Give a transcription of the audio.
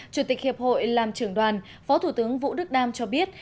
chủ tịch hiệp hội làm trưởng đoàn phó thủ tướng vũ đức đam cho biết